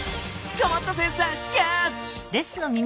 こまったセンサーキャッチ！